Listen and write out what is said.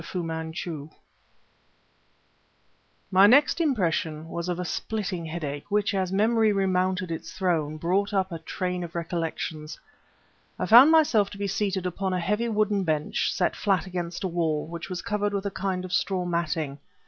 FU MANCHU My next impression was of a splitting headache, which, as memory remounted its throne, brought up a train of recollections. I found myself to be seated upon a heavy wooden bench set flat against a wall, which was covered with a kind of straw matting.